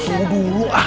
gue tunggu dulu ah